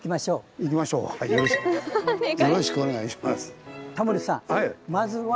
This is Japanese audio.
よろしくお願いします。